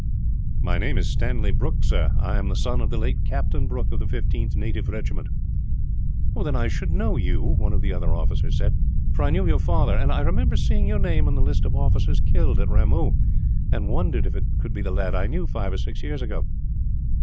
"My name is Stanley Brooke, sir. I am the son of the late Captain Brooke, of the 15th Native Regiment." "Then I should know you," one of the other officers said, "for I knew your father; and I remember seeing your name in the list of officers killed, at Ramoo, and wondered if it could be the lad I knew five or six years ago."